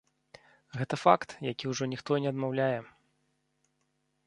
Гэта факт, які ўжо ніхто не адмаўляе.